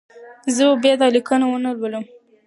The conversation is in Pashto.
زه به بیا دا لیکنه ونه لولم.